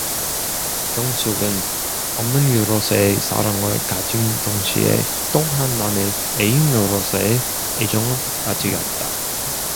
영숙은 어머니로서의 사랑을 가진 동시에 또한 남의 애인으로서의 애정을 가지었다.